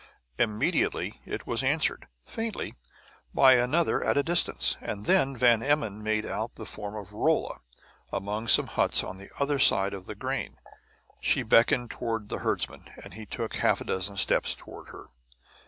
Immediately it was answered, faintly, by another at a distance; and then Van Emmon made out the form of Rolla among some huts on the other side of the grain. She beckoned toward the herdsman, and he took a half dozen steps toward her.